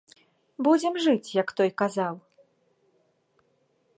Будзем жыць, як той казаў.